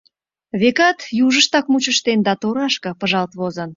Векат, южыштак мучыштен да торашке пыжалт возын.